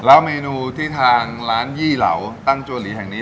แล้วเมนูที่ทางร้านยี่เหล่าตั้งจัวหลีแห่งนี้